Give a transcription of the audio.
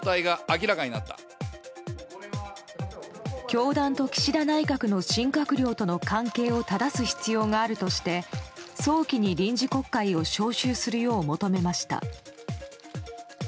教団と岸田内閣の新閣僚との関係をただす必要があるとして早期に臨時国会を召集するよう求めました。